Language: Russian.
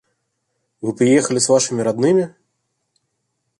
– Вы приехали с вашими родными?